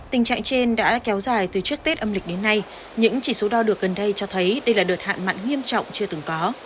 tình trạng trên đã kéo dài từ trước tết âm lịch đến nay những chỉ số đo được gần đây cho thấy đây là đợt hạn mặn nghiêm trọng chưa từng có